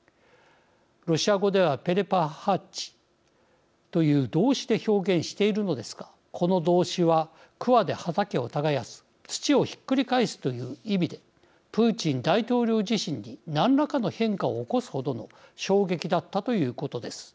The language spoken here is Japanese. ロシア語ではペレパハチという動詞で表現しているのですがこの動詞はくわで畑を耕す土をひっくり返すという意味でプーチン大統領自身に何らかの変化を起こすほどの衝撃だったということです。